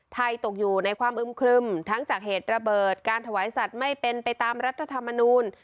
ตกอยู่ในความอึมครึมทั้งจากเหตุระเบิดการถวายสัตว์ไม่เป็นไปตามรัฐธรรมนูล